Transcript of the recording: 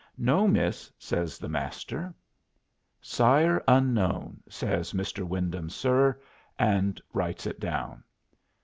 "No, miss," says the Master. "Sire unknown," says "Mr. Wyndham, sir," and writes it down.